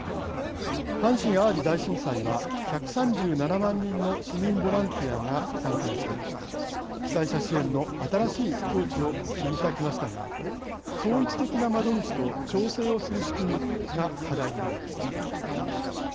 阪神・淡路大震災は１３７万人の市民ボランティアが参加をして被災者支援の新しい境地を切り開きましたが統一的な窓口と調整をする仕組みが課題になりました。